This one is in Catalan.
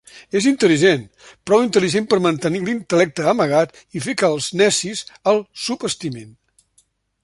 És intel·ligent, prou intel·ligent per mantenir l'intel·lecte amagat i fer que els necis el subestimin.